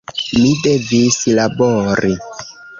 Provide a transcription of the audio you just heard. Mi devis labori.